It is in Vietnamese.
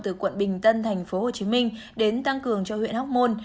từ quận bình tân tp hcm đến tăng cường cho huyện hóc môn